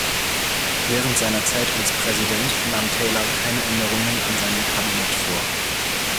Während seiner Zeit als Präsident nahm Taylor keine Änderungen an seinem Kabinett vor.